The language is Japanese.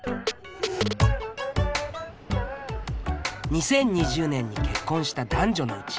２０２０年に結婚した男女のうち